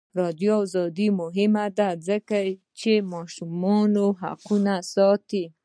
د بیان ازادي مهمه ده ځکه چې ماشومانو حقونه ساتي.